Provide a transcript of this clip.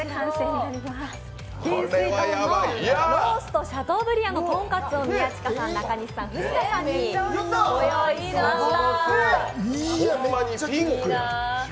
幻水豚のロースとシャトーブリアンのとんかつを宮近さん、中西さん、藤田さんにご用意しました。